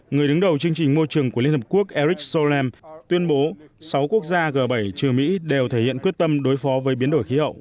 người đứng đầu chương trình môi trường của liên hợp quốc eric sollem tuyên bố sáu quốc gia g bảy trừ mỹ đều thể hiện quyết tâm đối phó với biến đổi khí hậu